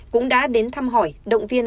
cũng đã đến thăm hỏi động viên